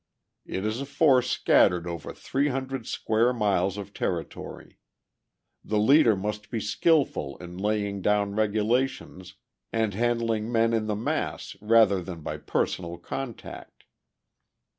It is a force scattered over three hundred square miles of territory. The leader must be skillful in laying down regulations, and handling men in the mass rather than by personal contact.